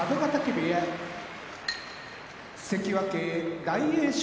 部屋関脇・大栄翔